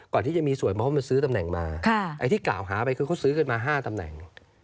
ก่อนที่จะมีสวยเพราะมันซื้อตำแหน่งมาไอ้ที่กล่าวหาไปคือเขาซื้อกันมา๕ตำแหน่ง